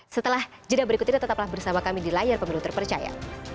setelah jeda berikut ini tetaplah bersama kami di layar pemilu terpercaya